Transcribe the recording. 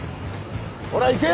ほら行けよ！